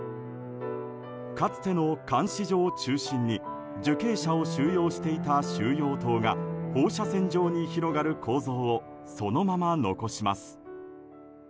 かつての監視所を中心に受刑者を収容していた収容棟が放射線状に広がる構造をそのまま残します。